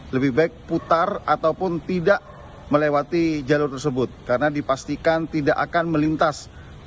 lebih baik putar ataupun tidak melewati jalur tersebut karena dipastikan tidak akan melintas